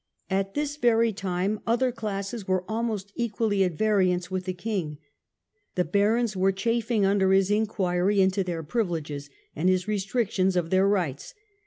At this very time other classes were almost equally at variance with the king. The barons were chafing under his inquiry into their privileges, and his restrictions of their rights.